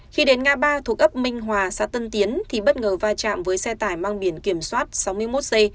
khi đến ngã ba thuộc ấp minh hòa xã tân tiến thì bất ngờ va chạm với xe tải mang biển kiểm soát sáu mươi một c